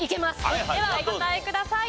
ではお答えください。